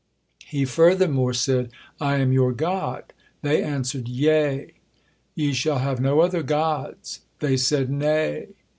He furthermore said: "I am your God." They answered: "Yea." "Ye shall have no other gods." They said: "Nay."